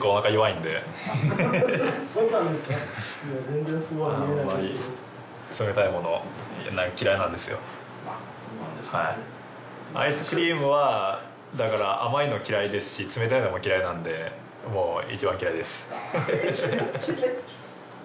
いや全然あんまりアイスクリームはだから甘いの嫌いですし冷たいのも嫌いなんでもう一番嫌いです「一番嫌い」